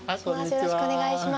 よろしくお願いします。